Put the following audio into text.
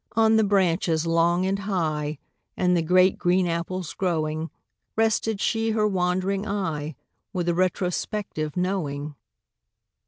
On the branches long and high, And the great green apples growing, Rested she her wandering eye, With a retrospective knowing.